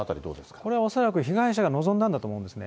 これは恐らく被害者が望んだんだと思うんですね。